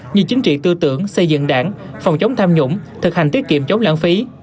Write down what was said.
như chính trị tư tưởng xây dựng đảng phòng chống tham nhũng thực hành tiết kiệm chống lãng phí